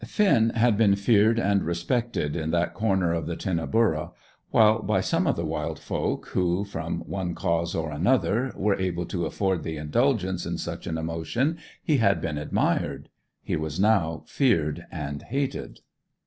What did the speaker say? Finn had been feared and respected in that corner of the Tinnaburra; while, by some of the wild folk who, from one cause or another, were able to afford the indulgence in such an emotion, he had been admired. He was now feared and hated.